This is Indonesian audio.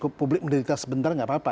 publik menderita sebentar nggak apa apa